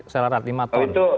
selera lima ton